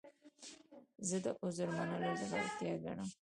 زه د عذر منل زړورتیا ګڼم.